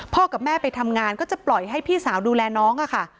กับแม่ไปทำงานก็จะปล่อยให้พี่สาวดูแลน้องค่ะ